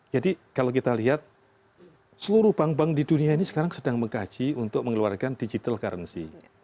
jadi kalau kita lihat seluruh bank bank di dunia ini sekarang sedang mengkaji untuk mengeluarkan digital currency